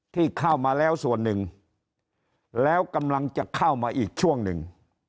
ที่เข้ามาแล้วส่วนหนึ่งแล้วกำลังจะเข้ามาอีกช่วงหนึ่ง